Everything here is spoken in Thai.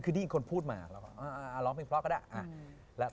คือได้ยินคนพูดมาเราก็ร้องเพลงเพราะก็ได้